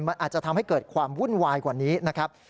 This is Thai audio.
มันอาจจะทำให้เกิดความวุ่นวายกว่านี้นะครับ